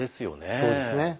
そうですね。